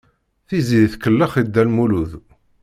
Tiziri tkellex i Dda Lmulud.